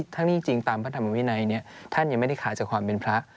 ทั้งนี้จริงตามพระธรรมวินัยท่านยังไม่ได้ขายจากความเป็นพระ